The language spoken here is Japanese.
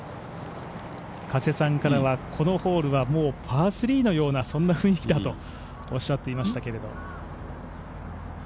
加瀬さんからはこのホールはもうパー３のような雰囲気だとおっしゃっていましたが。